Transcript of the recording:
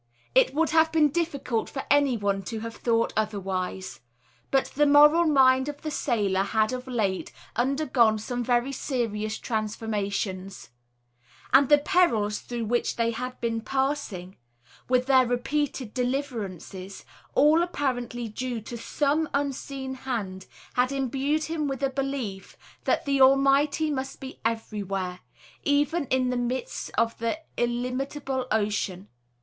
It would have been difficult for anyone to have thought otherwise; but the moral mind of the sailor had of late undergone some very serious transformations; and the perils through which they had been passing, with their repeated deliverances, all apparently due to some unseen hand, had imbued him with a belief that the Almighty must be everywhere, even in the midst of the illimitable ocean.